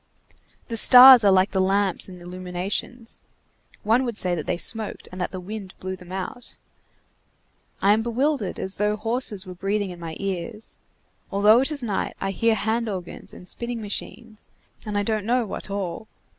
The stars are like the lamps in illuminations, one would say that they smoked and that the wind blew them out, I am bewildered, as though horses were breathing in my ears; although it is night, I hear hand organs and spinning machines, and I don't know what all.